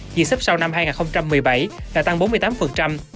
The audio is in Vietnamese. vì sắp sau năm hai nghìn một mươi bảy là tăng bốn mươi tám